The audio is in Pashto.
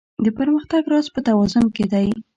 د پرمختګ راز په توازن کې دی.